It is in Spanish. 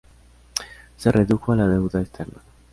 Se redujo la deuda externa.